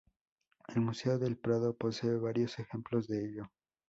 El Museo del Prado posee varios ejemplos de ello.